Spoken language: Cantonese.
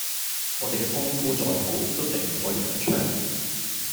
我哋嘅功夫再好，都敵唔過洋槍